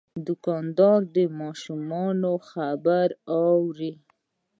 دوکاندار د ماشومانو خبرې اوري.